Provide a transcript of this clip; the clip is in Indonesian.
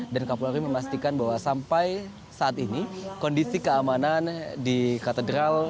dan kapolri memastikan bahwa sampai saat ini kondisi keamanan di katedral